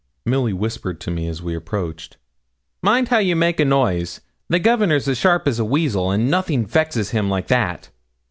Milly whispered to me as we approached 'Mind how you make a noise; the governor's as sharp as a weasel, and nothing vexes him like that.'